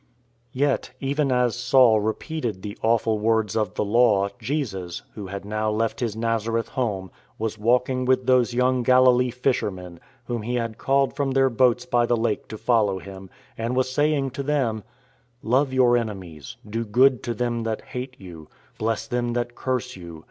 tg ...... 60 <*WHOM SAY YE THAT 1 AM?*» 61 Yet, even as Saul repeated the awful words of the Law, Jesus — Who had now left His Nazareth home — was walking with those young Galilee fishermen, whom he had called from their boats by the lake to follow Him, and was saying to them :" Love your enemies, Do good to them that hate you, Bless them that curse you.